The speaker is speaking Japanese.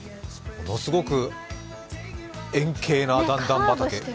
ものすごく円形な段々畑。